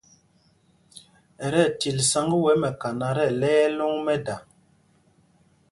Ɛ ti ɛtil sǎŋg wɛ̄ mɛkana tí ɛlɛ̄y ɛ lɔ̂ŋ mɛ́da.